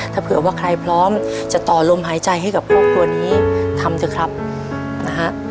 ถ้าเผื่อว่าใครพร้อมจะต่อลมหายใจให้กับครอบครัวนี้ทำเถอะครับนะฮะ